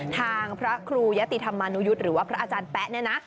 ทางพระครูยะติธรรมานุยุทธ์หรือว่าพระอาจารย์แป๊ะเนี่ยนะ